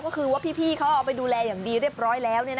ก็คือว่าพี่เขาเอาไปดูแลอย่างดีเรียบร้อยแล้ว